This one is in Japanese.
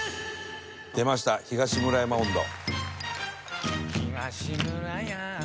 「出ました『東村山音頭』」